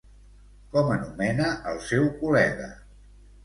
Com anomena al seu col·lega?